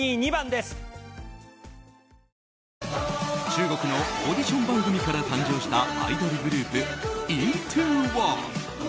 中国のオーディション番組から誕生したアイドルグループＩＮＴＯ１。